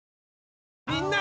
みんな！